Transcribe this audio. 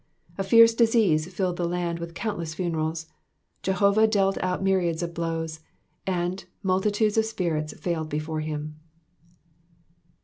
A fierce disease filled the land with countless funerals ; Jehovali dealt out myriads of blows, and multitudes of spirits failed before him.